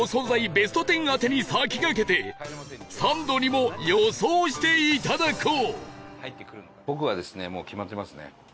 ベスト１０当てに先駆けてサンドにも予想していただこう